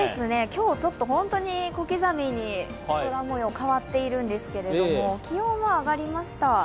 今日、本当に小刻みに空模様変わっているんですけど、気温は上がりました。